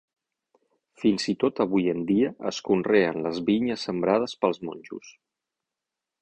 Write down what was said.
Fins i tot avui en dia es conreen les vinyes sembrades pels monjos.